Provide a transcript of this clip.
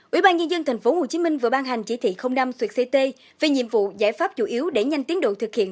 ủy ban nhân dân tp hcm vừa ban hành chỉ thị năm ct về nhiệm vụ giải pháp dụ yếu để nhanh tiến đội thực hiện